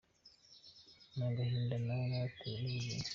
n’agahinda naba naratewe n’ubuzima.